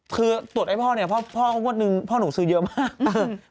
คือตรวจไอ้พ่อเนี่ยพ่อหนูซื้อเยอะมาก